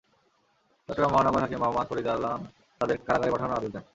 চট্টগ্রাম মহানগর হাকিম মোহাম্মদ ফরিদ আলম তাঁদের কারাগারে পাঠানোর আদেশ দেন।